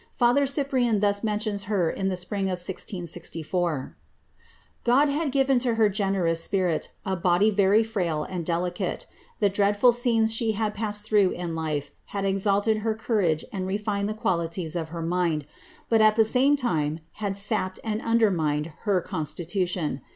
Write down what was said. Father Cyprian thus mentions her in the spring of 1664 :' [jod had given to her generous spirit a body very frail and delicate ; e dreadful scenes she had passed through in life had exalted her cou ^ and refined the qualities of her mind, but at the same time had pped and undermined her constitution.